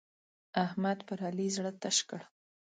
احمد پر علي زړه تش کړ.